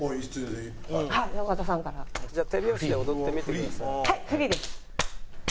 「じゃあ手拍子で踊ってみてください」。